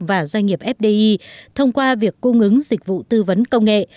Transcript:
và doanh nghiệp fdi thông qua việc cung ứng dịch vụ tư vấn công nghệ